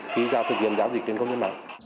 khi thực hiện giáo dịch trên công nhân mạng